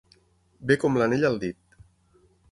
Ve com l'anell al dit.